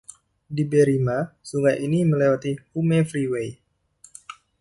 Di Berrima, sungai ini melewati Hume Freeway.